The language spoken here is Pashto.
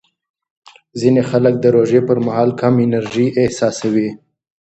ځینې خلک د روژې پر مهال کم انرژي احساسوي.